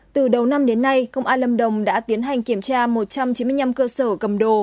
từ đầu năm đến nay công an lâm đồng đã tiến hành kiểm tra một trăm chín mươi năm cơ sở cầm đồ